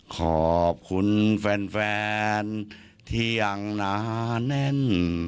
ขอบคุณแฟนที่ยังหนาแน่น